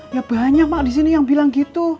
ya banyak mak disini yang bilang gitu